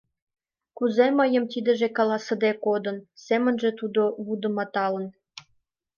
Кузе мыйын тидыже каласыде кодын!» — семынже тудо вудыматылын.